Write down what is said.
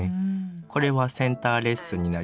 これはセンターレッスンになります。